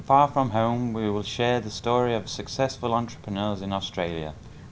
bà charlotte lawson về mối quan hệ ngoại giao giữa việt nam và đan mạch